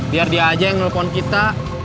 biar dia aja yang nelfon kita